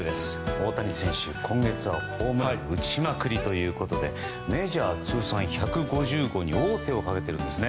大谷選手、今月はホームラン打ちまくりということでメジャー通算１５０号に王手をかけています。